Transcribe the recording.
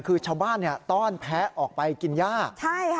คือชาวบ้านเนี่ยต้อนแพ้ออกไปกินย่าใช่ค่ะ